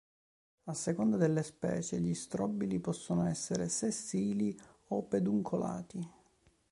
A seconda delle specie gli strobili possono essere sessili o peduncolati.